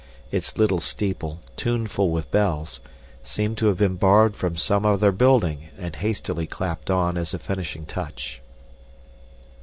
Its little steeple, tuneful with bells, seemed to have been borrowed from some other building and hastily clapped on as a finishing touch.